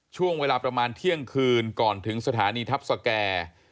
ช่วงเวลาประมาณเที่ยงคืนก่อนถึงสถานีทัพสแก่